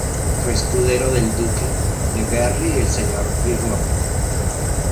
Fue escudero del Duque de Berry y señor de Bigorre.